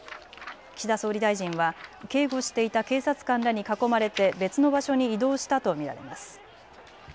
岸田総理大臣は警護していた警察官らに囲まれて別の場所に移動したと見られます。